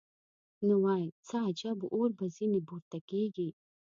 نو وای څه عجب اور به ځینې پورته کېږي.